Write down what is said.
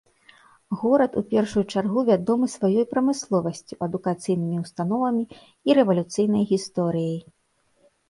Горад у першую чаргу вядомы сваёй прамысловасцю, адукацыйнымі ўстановамі і рэвалюцыйнай гісторыяй.